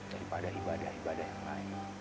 daripada ibadah ibadah yang lain